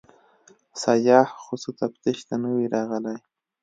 سیاح خو څه تفتیش ته نه وي راغلی.